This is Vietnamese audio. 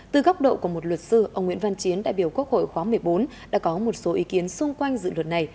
từ góc độ của một luật sư ông nguyễn văn chiến đại biểu quốc hội khóa một mươi bốn đã có một số ý kiến xung quanh dự luật này